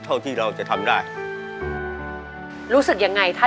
ขอเจอคุณแซคชุมแพร่ครับ